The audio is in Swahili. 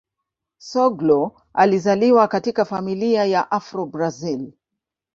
Soglo alizaliwa katika familia ya Afro-Brazil.